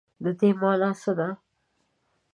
د دې مانا څه ده ؟